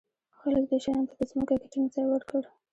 خلک دې شیانو ته په ځمکه کې ټینګ ځای ورکړ.